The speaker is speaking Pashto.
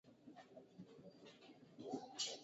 د جګړې پرمهال دې مسئلې ته ډېر پام کېده